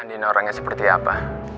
andi ini orangnya seperti apa